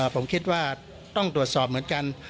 ผมคิดว่าต้องตรวจสอบเหมือนกัน